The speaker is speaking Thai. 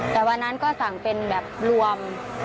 แต่วันนั้นก็สั่งเป็นแบบรวม